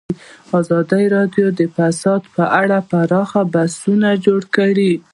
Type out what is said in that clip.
ازادي راډیو د اداري فساد په اړه پراخ بحثونه جوړ کړي.